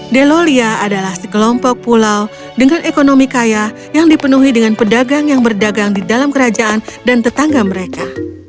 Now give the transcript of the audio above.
delolia adalah sekelompok pulau dengan ekonomi kaya yang dipenuhi dengan pedagang yang berdagang di dalam kerajaan dan tetangga mereka